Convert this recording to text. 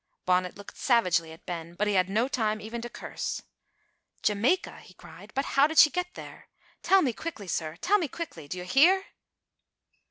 Bonnet looked savagely at Ben, but he had no time even to curse. "Jamaica!" he cried, "how did she get there? Tell me quickly, sir tell me quickly! Do you hear?"